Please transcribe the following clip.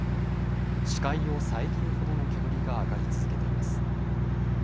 視界を遮るほどの煙が上がり続けています。